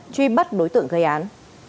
truy bắt đối tượng gây án